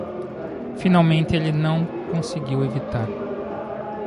Finalmente, ele finalmente não conseguiu evitar.